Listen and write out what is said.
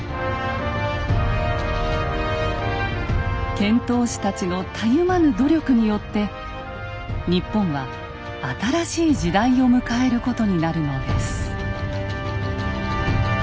遣唐使たちのたゆまぬ努力によって日本は新しい時代を迎えることになるのです。